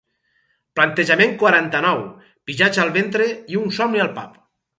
Plantejament quaranta-nou pixats al ventre i un somni al pap.